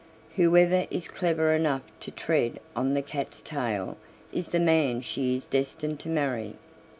Whoever is clever enough to tread on that cat's tail is the man she is destined to marry."